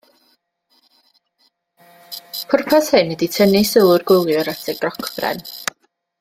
Pwrpas hyn ydy tynnu sylw'r gwyliwr at y grocbren.